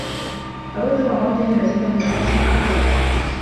أودّ أن أمضي المزيد من الوقت مع خالتي.